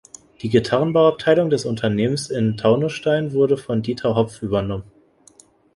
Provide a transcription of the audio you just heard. Die Gitarrenbau-Abteilung des Unternehmens in Taunusstein wurde von Dieter Hopf übernommen.